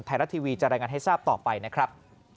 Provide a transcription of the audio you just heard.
ไทยรัฐทีวีจะรายงานให้ทราบต่อไปนะครับ